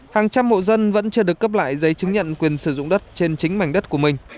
hàng trăm hộ dân vẫn chưa được cấp lại giấy chứng nhận quyền sử dụng đất trên chính mảnh đất của mình